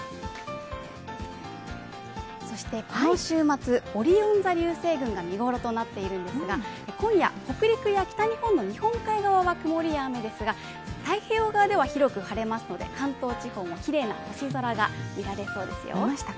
そして、この週末、オリオン座流星群が見頃となっているんですが今夜、北陸や北日本の日本海側は曇りや雨ですが、太平洋側では広く晴れますので、関東地方もきれいな星空が見られそうですよ。